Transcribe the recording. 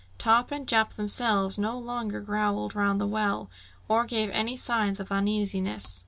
Top and Jup themselves no longer growled round the well or gave any signs of uneasiness.